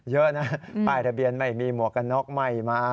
เยอะนะป้ายทะเบียนไม่มีหมวกกันน็อกไม่มา